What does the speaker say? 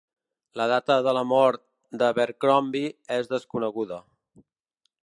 La data de la mort d'Abercromby és desconeguda.